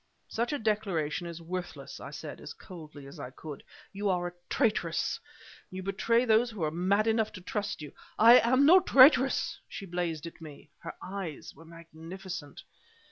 "Such a declaration is worthless," I said, as coldly as I could. "You are a traitress; you betray those who are mad enough to trust you " "I am no traitress!" she blazed at me; her eyes were magnificent.